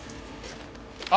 あ！